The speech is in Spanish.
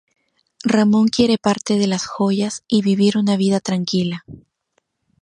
Ramón quiere parte de las joyas y vivir una vida tranquila.